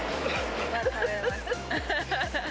食べます。